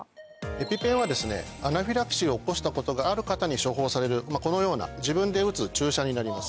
エピペンはアナフィラキシーを起こしたことがある方に処方されるこのような自分で打つ注射になります。